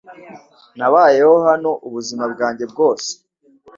Nabayeho hano ubuzima bwanjye bwose .